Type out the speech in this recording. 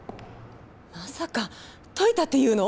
まさかといたって言うの？